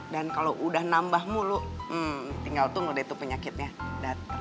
dan kalo udah nambah mulu hmm tinggal tunggu deh tuh penyakitnya dateng